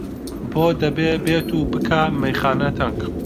بۆ دەبێ بێت و بکا مەیخانە تەنگ؟!